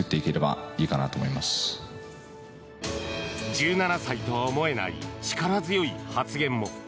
１７歳とは思えない力強い発言も。